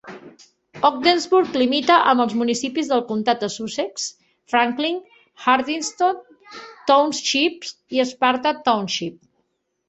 Ogdensburg limita amb els municipis del Comtat de Sussex, Franklin, Hardyston Township i Sparta Township.